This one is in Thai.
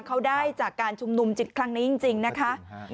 เขาได้จากการชุมนุมจิตครั้งนี้จริงนะคะ